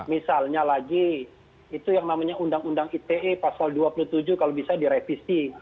misalnya lagi itu yang namanya undang undang ite pasal dua puluh tujuh kalau bisa direvisi